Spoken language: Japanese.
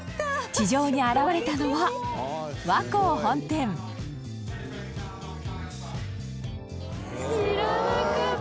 地上に現れたのは、和光本店本仮屋：知らなかった！